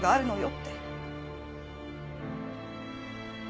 って。